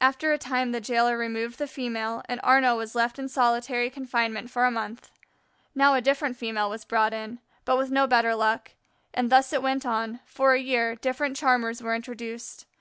After a time the jailer removed the female, and Arnaux was left in solitary confinement for a month. Now a different female was brought in, but with no better luck; and thus it went on for a year different charmers were introduced.